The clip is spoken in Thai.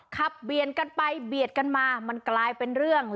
เบียนกันไปเบียดกันมามันกลายเป็นเรื่อง